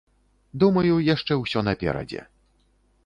Думаю яшчэ ўсё наперадзе.